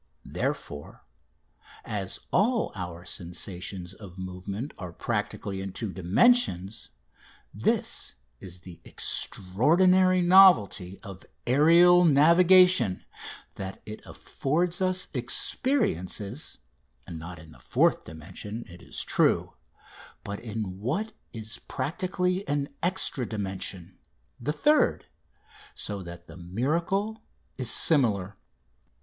_ Therefore, as all our sensations of movement are practically in two dimensions, this is the extraordinary novelty of aerial navigation that it affords us experiences not in the fourth dimension, it is true but in what is practically an extra dimension the third so that the miracle is similar.